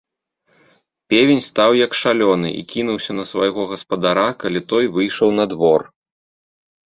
Певень стаў як шалёны і кінуўся на свайго гаспадара, калі той выйшаў на двор.